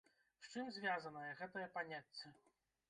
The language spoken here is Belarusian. З чым звязанае гэтае паняцце?